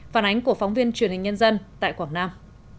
phản ánh của phóng viên truyền hình nhân dân tại quảng nam